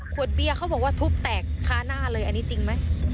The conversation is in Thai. เบี้ยเขาบอกว่าทุบแตกค้าหน้าเลยอันนี้จริงไหม